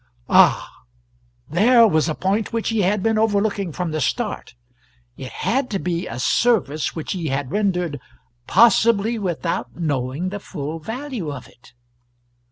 Ah there was a point which he had been overlooking from the start: it had to be a service which he had rendered "possibly without knowing the full value of it."